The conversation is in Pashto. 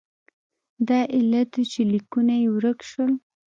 دا علت و چې لیکونه یې ورک شول.